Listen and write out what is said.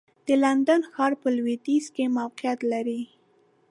د لندن ښار په لوېدیځ کې موقعیت لري.